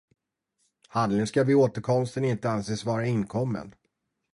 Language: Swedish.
Handlingen ska vid återkomsten inte anses vara inkommen.